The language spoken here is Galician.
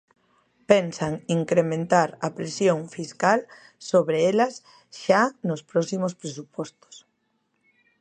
Pensan incrementar a presión fiscal sobre elas xa nos próximos presupostos.